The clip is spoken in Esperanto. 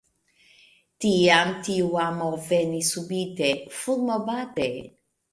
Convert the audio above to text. Tiam tiu amo venis subite, fulmobate?